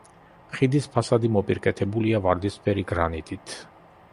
ხიდის ფასადი მოპირკეთებულია ვარდისფერი გრანიტით.